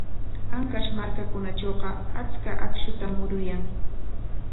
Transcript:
Ancash markakunatrawqa achka akshutam muruyan.